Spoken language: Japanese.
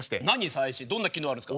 どんな機能あるんですか？